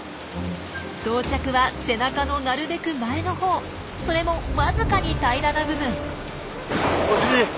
装着は背中のなるべく前のほうそれもわずかに平らな部分。